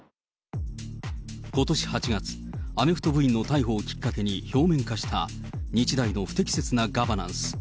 ことし８月、アメフト部員の逮捕をきっかけに表面化した日大の不適切なガバナンス。